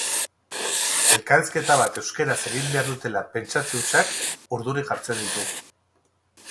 Elkarrizketa bat euskaraz egin behar dutela pentsatze hutsak urduri jartzen ditu.